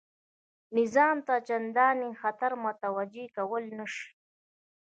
نظام ته چنداني خطر متوجه کولای نه شي.